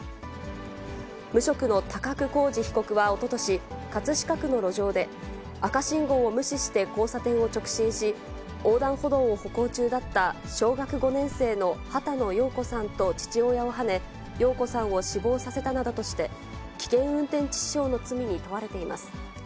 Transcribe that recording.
無職の高久浩二被告はおととし、葛飾区の路上で、赤信号を無視して交差点を直進し、横断歩道を歩行中だった小学５年生の波多野耀子さんと父親をはね、耀子さんを死亡させたなどとして、危険運転致死傷の罪に問われています。